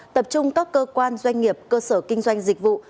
tập trung các cơ quan doanh nghiệp cơ sở kinh doanh dịch vụ